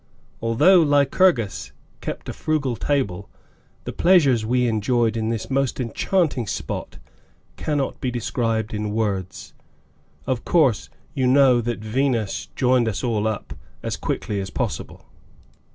Although Lycurgus kept a frugal table, the pleasures we enjoyed in this most enchanting spot cannot be described in words. Of course you know that Venus joined us all up, as quickly as possible.